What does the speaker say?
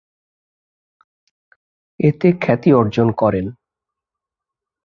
এতে খ্যাতি অর্জন করেন।